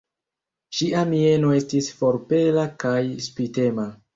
Ŝia mieno estis forpela kaj spitema.